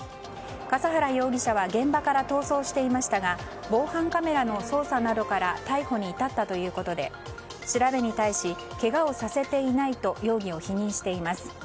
笠原容疑者は現場から逃走していましたが防犯カメラの捜査などから逮捕に至ったということで調べに対しけがをさせていないと容疑を否認しています。